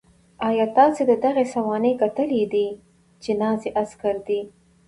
ایا تاسې د هغه سوانح کتلې دي چې نازي عسکر دی